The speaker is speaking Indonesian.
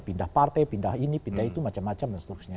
pindah partai pindah ini pindah itu macam macam dan seterusnya